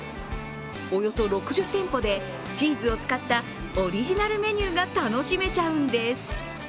およそ６０店舗でチーズを使ったオリジナルメニューが楽しめちゃうんです。